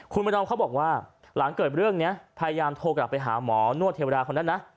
คุณประนอมเขาบอกว่าหลังเกิดเรื่องนี้พยายามโทรกลับไปหาหมอนวดเทวดาคนนั้นนะ